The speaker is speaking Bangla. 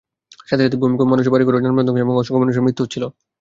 সাথে সাথে ভূমিকম্পে মানুষের বাড়িঘর ও যানবাহন ধ্বংস এবং অসংখ্য মানুষের মৃত্যু হচ্ছিল।